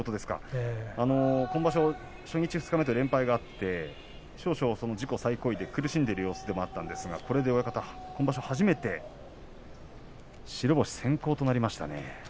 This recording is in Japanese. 今場所初日、二日目と連敗があって少々、自己最高位で苦しんでいる様子ではあったんですがこれで今場所初めて白星先行となりましたね。